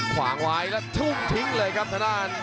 ขวางวายแล้วทุ่มทิ้งเลยครับธนาฬ